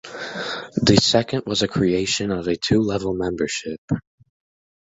The second was the creation of a two level membership.